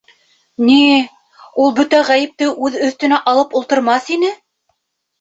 Ни, ул бөтә ғәйепте үҙ өҫтөнә алып ултырмаҫ ине.